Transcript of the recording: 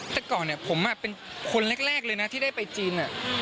แต่ก่อนผมเป็นคนแรกเลยนะที่ได้ไปจีน